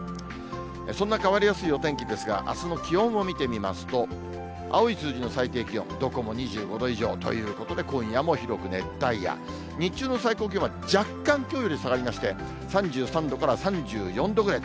そんな変わりやすいお天気ですが、あすの気温を見てみますと、青い数字の最低気温、どこも２５度以上ということで、今夜も広く熱帯夜、日中の最高気温は若干きょうより下がりまして、３３度から３４度ぐらい。